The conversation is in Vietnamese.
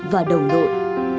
và đồng đội